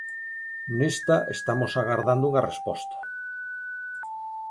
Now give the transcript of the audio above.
Nesta estamos agardando unha resposta.